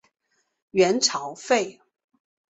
元朝废。